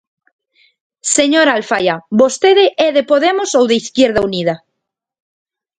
Señora Alfaia, ¿vostede é de Podemos ou de Izquierda Unida?